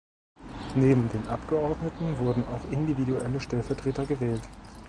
Neben den Abgeordneten wurden auch individuelle Stellvertreter gewählt.